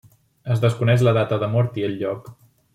Es desconeix la data de mort i el lloc.